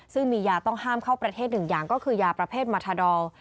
ซึ่งมียาต้องห้ามเข้าประเทศหนึ่งอย่างก็คือยาประเภทมาทาดอล